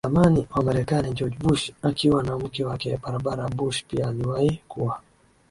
zamani wa Marekani George Bush akiwa na mke wake Barbara BushPia aliwahi kuwa